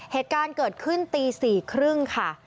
เหตุการณ์เกิดขึ้นตี๔๓๐ค่ะ